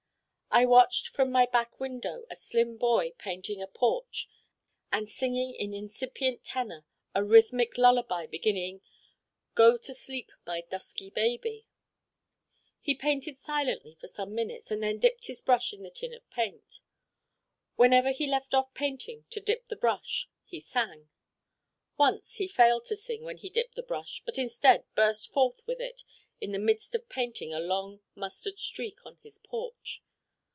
I watched from my back window a slim boy painting a porch and singing in incipient tenor a rhythmic lullaby beginning 'go to sleep my dus ky ba by.' He painted silently for some minutes and then dipped his brush in the tin of paint. Whenever he left off painting to dip the brush he sang. Once he failed to sing when he dipped the brush but instead burst forth with it in the midst of painting a long mustard streak on his porch.